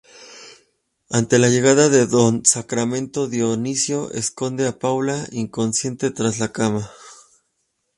Ante la llegada de don Sacramento Dionisio esconde a Paula, inconsciente, tras la cama.